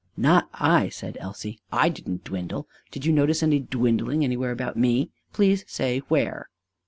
"Not I," said Elsie. "I didn't dwindle. Do you notice any dwindling anywhere about me? Please say where."